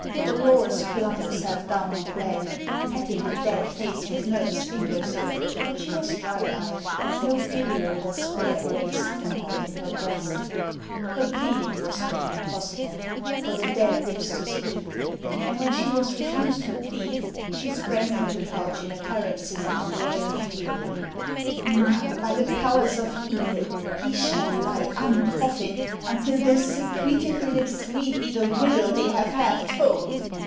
Dolores flung herself down on the bed, patting the dead face with nervous fingers; but she was dry eyed, no filial despair raised tumult in her breast, her pleading was for the impossible for the dead lips to speak and when she was refused her plea, she sprang from the couch in a paroxysm of royal fury: "Now, by the powers of evil, he shall lie uncoffined until those secretive lips read me the riddle they have half told!"